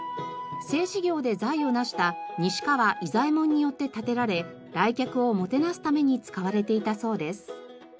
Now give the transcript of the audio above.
製糸業で財を成した西川伊左衛門によって建てられ来客をもてなすために使われていたそうです。